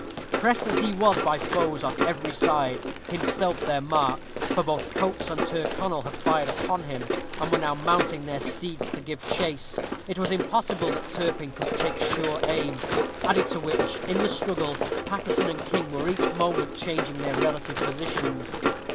Pressed as he was by foes on every side, himself their mark, for both Coates and Tyrconnel had fired upon him, and were now mounting their steeds to give chase, it was impossible that Turpin could take sure aim; added to which, in the struggle, Paterson and King were each moment changing their relative positions.